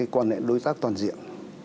quan hệ đối tác toàn diện